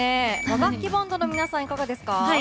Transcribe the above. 和楽器バンドの皆さんはいかがですか？